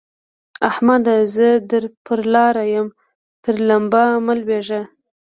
احمده! زه در پر لاره يم؛ تر لمبه مه لوېږه.